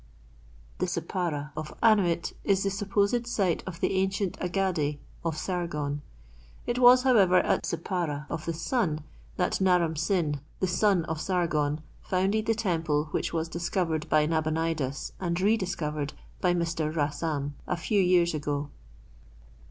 The Sippara of Annuit is the supposed site of the ancient Agade of Sargon. It was, however, at Sippara of the Sun that Naram Sin, the son of Sargon, founded the temple which was discovered by Nabonidus and rediscovered by Mr. Rassam a few years ago.